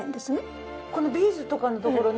このビーズとかのところに。